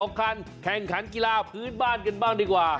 สำคัญแข่งขันกีฬาพื้นบ้านกันบ้างดีกว่า